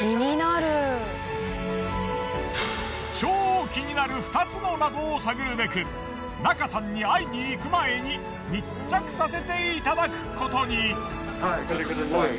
超気になる２つの謎を探るべく中さんに会いにいく前に密着させていただくことに。